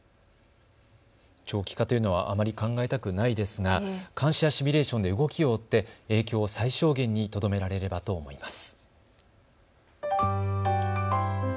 長期化というのはあまり考えたくないが監視やシミュレーションで動きを追って影響を最小限にとどめられればと思います。